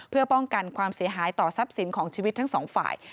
เพื่อป้องกันความเสียหายต่อทรัพย์สินของชีวิตทั้งสองฝ่าย